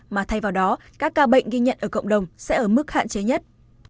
mà thay vào đó các ca bệnh ghi nhận ở cộng đồng sẽ ở mức hạn chế nhất